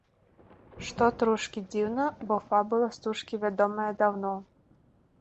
Што трошкі дзіўна, бо фабула стужкі вядомая даўно.